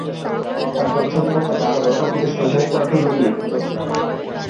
তার ধনসম্পদ তাকে আরও বড় কোনো প্রতিষ্ঠান উপভোগ করার সুযোগ করে দিত।